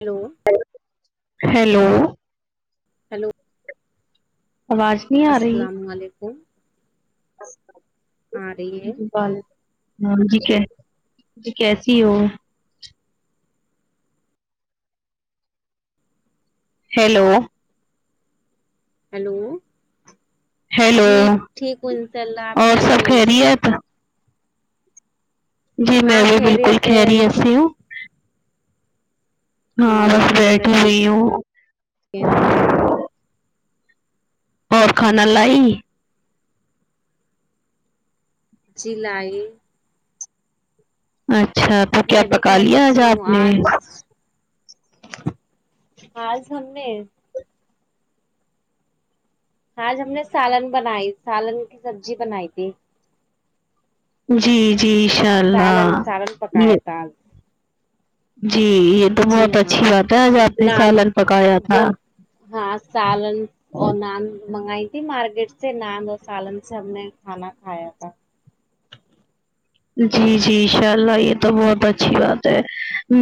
Hello hello hello hello آواج السلام و علیکم آ رہی ہے [unintelligible] م [unintelligible] ہاں جی کیسی ہو ہیلو ہیلو ہیلو جی ٹھیک ہوں انشاء اللہ آپ اور سب کیسے ہو خیریت جی میں بھی بالکل خیریت سے ہوں ہاں بس انشاء اللہ بیٹھی ہوئی ٹھیک ہوں ہے ہم بھی اور کھانا لائی جلائی اچھا تو کیا میں بھی پکا لیا خیریت آج سے آپ ہوں نے آج آج ہم نے آج ہم نے سالن بنائی سالن کی سبزی بنائی تھی جی جی ان شاء اللہ یہ کم جی یہ تو جی بہت ہاں اچھی بات ہے آج آپ نے نان سالن پکایا جو تھا ہاں سالن اور نان منگائی مارکیٹ سے نان اور سالن سب نے کھانا کھایا تھا جی جی ان شاء اللہ یہ تو بہت اچھی بات ہے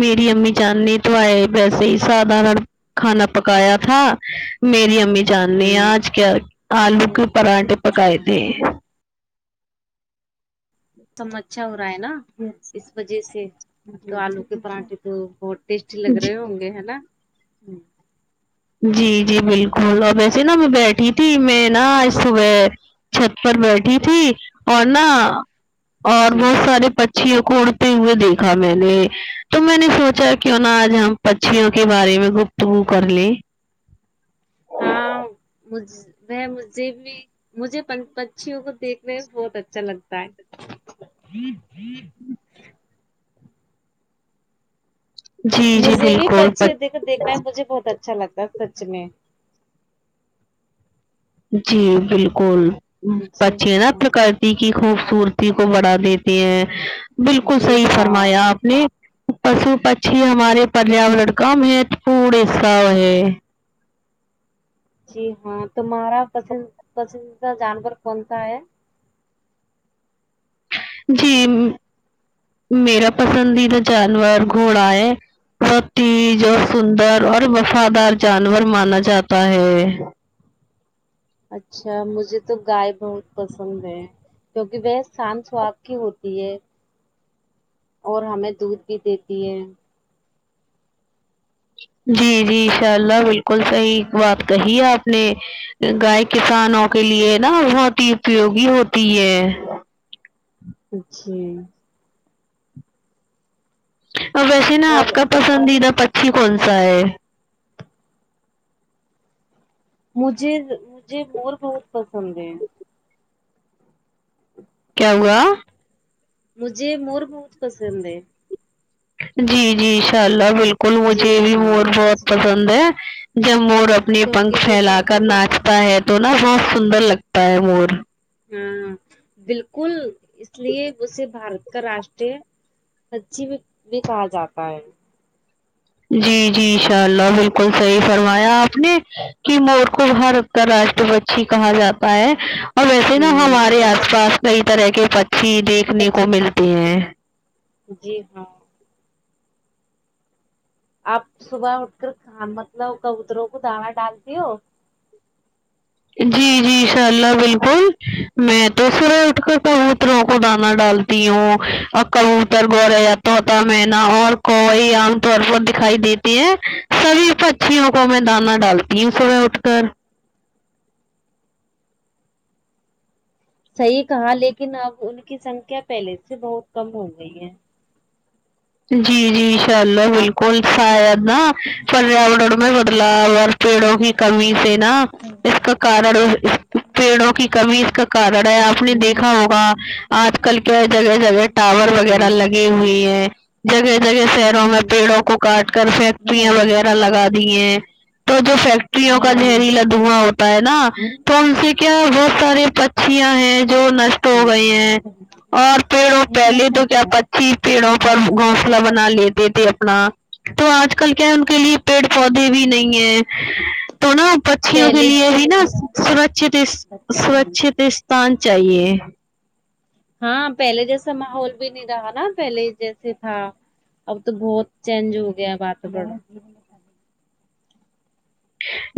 میری امی جاننی تو آئے ویسے ہی سدھارن کھانا پکایا تھا میری امی جاننے ہیں ہوں آج کیا آلو کے پراٹھے پکائے تھے دم اچھا ہو رہا ہے نا اس وجہ سے آلو کے پراٹھے تو بہت ٹیسٹی لگ جی رہے ہوں گے ہے نا جی جی بالکل اب اییسے نا میں بیٹھی تھی میں ناج صبح چھت پر بیٹھی تھی اور نا اور جی بہت سارے چیل کو اڑتے ہوئے دیکھا میں نے تو میں نے سوچا کیوں نہا آج ہم پچھیوں کے بارے میں گ تو کر لے ہاں کچھ وہ مجھے بھی مجھے پچیوں کو دیکھنے میں بہت اچھا لگتا ہے جی جی مجھے بھی بالکل پچے د دیکھنا ہے مجھے بہت اچھا لگتا ہے سچ میں جی بالکل جی بچے نا پرکرتی کی خوبصورتی کو بڑھا دیتے ہیں بالکل جی صحیح ہاں فرمایا آپ نہیں پشو پچھی ہمارے پریا لڑکا مہت پور ای سا ہے جی ہاں تمہارا پسند پسندیدہ جانور کون سا ہے جی میرا پسندیدہ جانور گھوڑا ہے بوھت تج اور سندر اور وفادار جانور مانا جاتا ہے اچھا مجھے تو گائے بہت پسند ہے کیوںکہ وہ شان سو آپ کی ہوتی ہے اور ہمیں دودھ بھی دیتی ہے جی جی ان شاء اللہ بالکل صحیح بات کہی ہے آپ نے گائے کسانوں کے لیے نا بہت ہی اپیوگی ہوتی ہے جی اور ویسے نا اور آپ کا پسندیدہ پکشھی کون سا ہے مجھے مجھے مور بہت پسند ہے کیا ہوا مجھے مور بہت پسند ہے جی جی ان شاء اللہ بالکل جی مجھے بھی ہاں مور بہت پسند ہے جب مور اب اپنے کیونکہ پنکھ وہ پھیلا کر ناچتا ہے تو نا بہت سندر لگتا ہے مور ہوں بالکل اس لیے اسے بھارت کا راشٹر پکشی بھی بھی کہا جاتا ہے جی جی ان شاء اللہ بالکل صحیح فرمایا آپ نے کہ مور کو ہر کا راشٹر پکشی کہا جاتا ہے ا ور یسے نہ ہوں ہمارے آس پاس کئی طرح کے پکشی دیکھنے کو پچی ملتے ہیں جی ہاں آپ صبح اٹھ کر کام مطلب کبوتروں کو دانا ڈالتی ہو جی جی انشاء اللہ بالکل میں تو صبح اٹھ کر کبوتروں کو ڈانا ڈال تیوں اور کبوتر گوریہ تو طوطا مینا اور کوئی عام طور پر دکھائی دیتی یہ سبی پکشیوں کو میں دانہ ڈالتی ہوں صبح اٹھ کر صحیح کہا لیکن اب ان کی سنکھیا پہلے سے بہت کم ہو گئی ہے جی جی چلو بالکل شاید نہ پریا۔ وڈن میں بدلاو اور پیڑوں کی کمی سے نہ اس کا کارن پیڑوں کی کمی اس کا کاران ہے آپ نے دیکھا ہوگا آج کل کیا جگہ جگہ ٹاور وغیرہ لگ ہوئے ہے جگہ جگہ شہروں میں پیڑوں کو کاٹ کر فیکٹریاں وغیرہ لگا دی ہیں تو جو فیکٹریوں کا ہاں زہریلا لگ دھواں ہوتا ہے نہ تو ان سے کیا بہت سارے پکشیںاں ہیں جو تو گئے ہیں اور پیڑوں پہلے تو کیا پنچھی پیڑوں پر کا بنا لیتے تھے اپنا تو آج کل کیا ہے ان کے لیے پیڑ پودے بیوی نہیں ہے تو نہ پچھیوں کے پہلے لیے بھی نہ سوراکشیت سوراکشیت استان چاہیے ہاں پہلے جیسا ماحول بھی نہیں رہا نہ پہلے جیسے تھا اب تو بہت چینج ہو گیا واتورن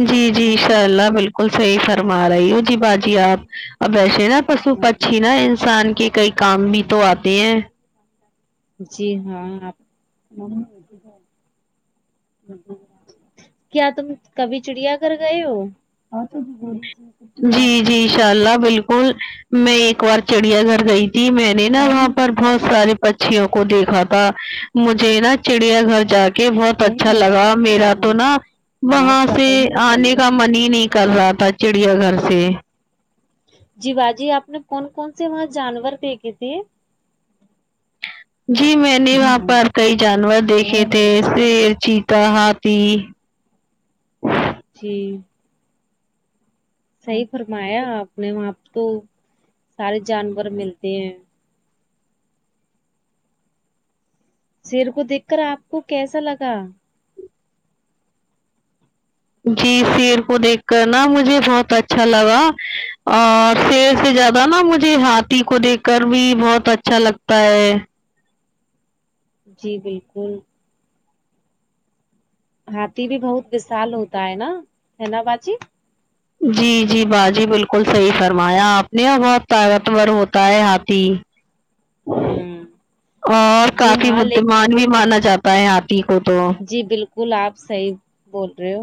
جی جی انشاء اللہ بالکل صحیح فرما رہی ہو جی باجی آپ اب ویسے نہ پشو پکشی نہ انسان کے کئی کام بھی تو آتے ہیں جی ہاں آپ [inaudible] کیا تم کبھی چڑیا گھر گئے ہو جی جی ان شاء اللہ بالکل میں ایک بار چڑیا گھر گئی تھی میں میں نہ وہاں پر بہت سارے پچھیوں کو دیکھا تھا مجھے نا چڑیا گھر جا کہ بہت اچھا لگا میرا تو نہ وہاں سے آنے کا من ہی نہیں کر رہا تھا چڑیا گھر سے جی باجی آپ نے کون کون سے وہاں جانور دیکھے تھے جی میں نے وہاں پر کئی جانور دیکھے تھے شیر چیتا ہاتھی جی صحیح فرمایا آپ نے وہاں تو سارے جانور ملتے ہیں شیر کو دیکھ کر آپ کو کیسا لگا جی شیر کو دیکھ کر نہ مجھے بہت اچھا لگا اور شیر سے زیادہ نہ مجھ کہ ہاتھی کو دیکھ کر بھی بہت اچھا لگتا ہے جی جی بالکل ہاتھی بھی بہت وشال ہوتا ہے نہ ہے نہ باجی جی جی باجی بالکل صحیح فرمایا آپ نے بہت طاقتور ہوتا ہے ہاتھی ہوں اور جی کافی ہاں ل بددھمان بھی مانا جاتا ہے ہاتھی کو تو جی بالکل آپ صحیح بول رہے ہو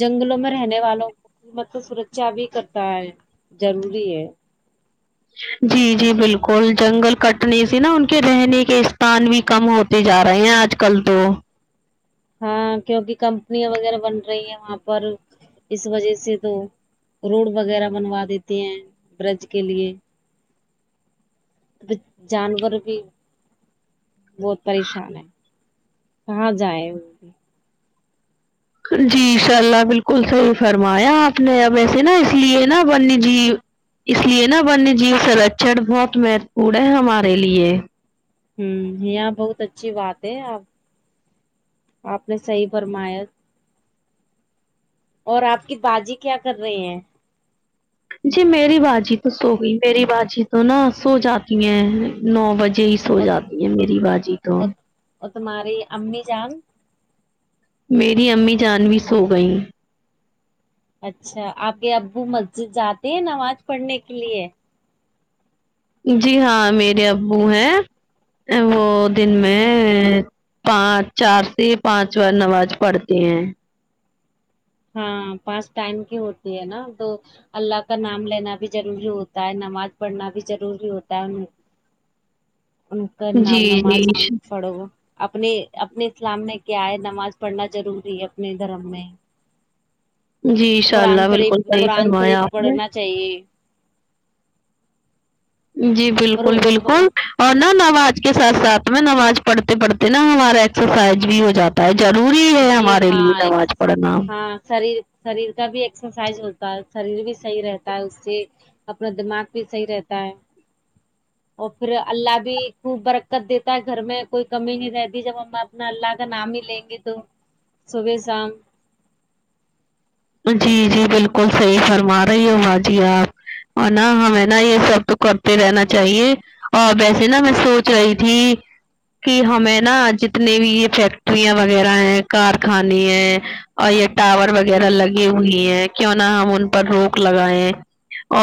جنگلوں میں رہنے والوں مطلب سورکشا بھی کرتا ہے ضروری ہے جی جی بالکل جنگل کٹنے سے نہ ان کے رہنے کے استان بھی کم ہوتے تے جا رہی ہیں آج کل تو ہاں کیونکہ کمپنیوں وغیرہ بن رہی ہیں وہاں پر اس وجہ سے تو روڈ وغیرہ بنوا دیتے ہیں برج کے لیے جانور بھی بہت پریشان ہے کہاں جائے جی ان شاء اللہ بالکل صحیح فرمایا آپ نے اب ایسے نا اس لیے نا بنی جی اس لیے نا ونیہ جیو سرچن بہت مہتوپورن ہے ہمارے لیے یہ بہت اچھی بات ہے آپ آپ نے صحیح فرمایا اور آپ کی باجی کیا کر رہی ہیں جی میری باجی تو سو گئی میری باجی تو نا سو جاتی ہیں نو بجے سو اور جاتی ہے میری باجی تو اور اور تمہاری امی جان میری امی جان بھی سو گئی اچھا آپ کے ابو مسجد جاتے ہیں نماز پڑھنے کے لیے جی ہاں میرے ابو ہیں وہ دن ہوں میں پانچ چار سے پانچ وار نماز پڑھتے ہیں ہاں پانچ ٹائم کی ہوتی ہے نا تو اللہ کا نام لینا بھی ضروری ہوتا ہے نماز پڑھنا بھی ضروری ہوتا ہے ان ہ جی جی پڑھو اپنے اپنے اسلام میں کیا ہے نماز پڑھنا ضروری ہے اپنے دھرم میں جی انشاء قرآن اللہ شریف بالکل صحیح قرآن شریف فرمایا آپ نے پڑھنا چاہیے جی اور بالکل بالکل وہ- اور نہ نماز کے ساتھ ساتھ میں نماز پڑھتے پڑھتے نا ہمارا ایکسرسائز بھی ہو جاتا ضروری ہے جی ہمارے ہاں لیے ایک نماز پڑھنا ہاں سریر شریر کا بھی ایکسرسائز ہوتا ہے شریر بھی صحیح رہتا ہے اس سے اپنا دماغ بھی صحیح رہتا ہے اور پھر اللہ بھی خوب برکت دیتا ہے گھر میں کوئی کمی نہیں رہتی جب ہم نم نا اللہ کا نام بھی لیگے تو صبح شام جی جی بالکل صحیح فرما رہی ہو با جی آپ اور نہ ہمیں نا یہ سب تو کرتے رہنا چاہیے آ ویسے نا میں سوچ رہی تھی کہ ہمیں نا جتنے بھی یہ فیکٹریاں وغیرہ ہیں کارخانے ہیں اور یہ ٹاور وغیرہ ہوں لگی ہوئی ہے کیوں نہا ہم ان پر روک لگائے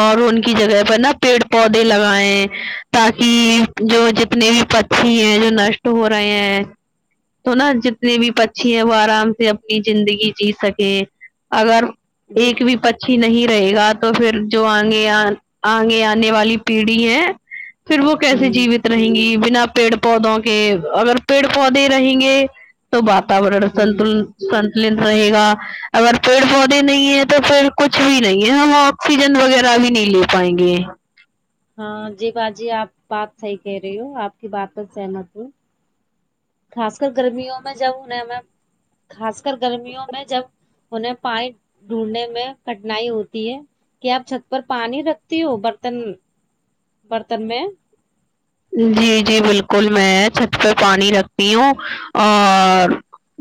اور ان کی جگہ پر نا پیڑ پودے لگائےیں تاکہ جو جتنے بھی پھٹی ہیں جو نشٹ ہو رہے ہیں تو نا جتنے بھی پچھی ہیں وہ آرام سے اپنی زندگی جی سکے اگر جی ایک بھی پ اچھی نہیں رہے گا تو پھر جو آگے آگے آنے والی پیڑھی ہے پھر وہ کیسے ہوں جیوت رہیں گی بنا پیڑ پودوں کے اگر پیڑ پودے رہیں گے تو واتورن سنت ہوں سنتلت رہے گا اگر پیڑ پودے نہیں ہیں تو پڑ کچھ بھی نہیں ہے ہم آکسیجن وغیرہ بھی نہیں لے پائیں گے ہاں جی باجی آپ بات صحیح کہہ رہی ہو آپ کی بات ہے سہناپور خاص کر گرمیوں میں جب انیں خاص کر گرمیوں میں جب انہیں پانی ڈھونڈنے میں کٹنائی ہوتی ہے کیا آپ چھت پر پانی رکھتی ہو برتن برتن میں جی جی بالکل میں چھت پہ پانی رکھتی ہوں اور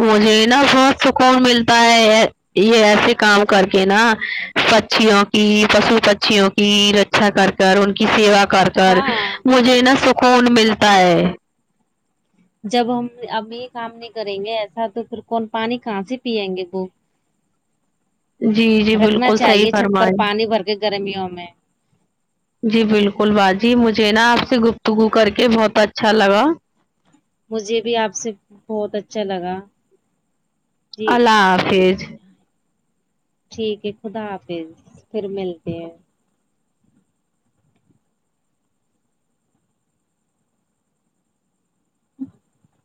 مجھے نا بہت سکون ملتا ہے یہ ایسے کام کر کے نا پچیوں کی پشو پچیوں کی رکچا کر کر ان کی سیوا کر کر ہاں مجھے نا سکون ملتا ہے جب ہم اب یہ کام نہیں کریں گے ایسا تو پھر کون پانی کہاں سے پیئیں گے وہ جی جی رکھنا بالکل صحیح چاہیے چھت پر فرمائیں پانی بھر کے گرمیوں میں جی بالکل باجی مجھے نا آپ سے گفتگو کر کے بہت اچھا لگا مجھے بھی آپ سے بہت اچھا لگا جی اللہ حافظ ٹھیک ہے خدا حافظ پھر ملتے ہیں ہ [inaudible]